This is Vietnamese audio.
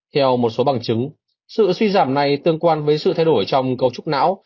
theo một số bằng chứng sự suy giảm này tương quan với sự thay đổi trong cấu trúc não